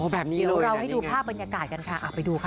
แบบนี้เดี๋ยวเราให้ดูภาพบรรยากาศกันค่ะไปดูค่ะ